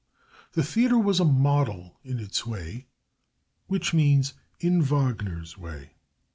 The theater was a model in its way which means in Wagner's way.